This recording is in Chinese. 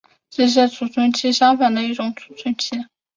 只写存储器相反的一种存储器。